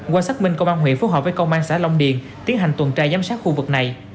qua xác minh công an huyện phù hợp với công an xã long điền tiến hành tuần trai giám sát khu vực này